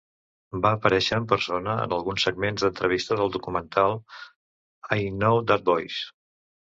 Va aparèixer en persona en alguns segments d'entrevista del documental "I Know That Voice".